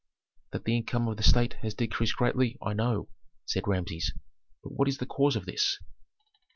"That the income of the state has decreased greatly, I know," said Rameses, "but what is the cause of this?"